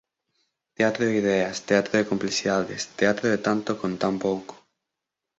Teatro de ideas, teatro de complexidades, teatro de tanto con tan pouco.